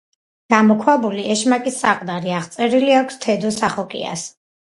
გამოქვაბული „ეშმაკის საყდარი“ აღწერილი აქვს თედო სახოკიას.